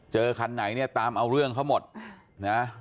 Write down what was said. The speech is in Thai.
คันไหนเนี่ยตามเอาเรื่องเขาหมดนะ